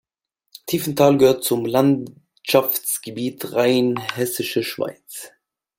Tiefenthal gehört zum Landschaftsgebiet Rheinhessische Schweiz.